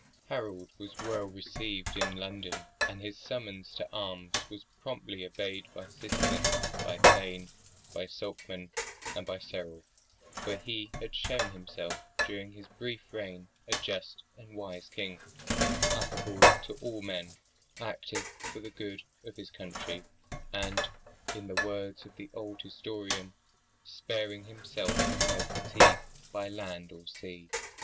Harold was well received in London, and his summons to arms was promptly obeyed by citizen, by thane, by sokman, and by ceorl; for he had shown himself during his brief reign a just and wise king, affable to all men, active for the good of his country, and (in the words of the old historian) sparing himself from no fatigue by land or sea.